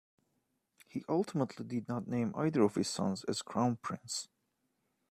He ultimately did not name either of his sons as crown prince.